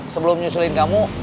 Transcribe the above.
sebelum nyusulin kamu